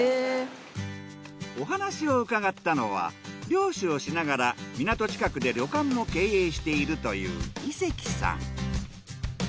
お話を伺ったのは漁師をしながら港近くで旅館も経営しているという伊関さん。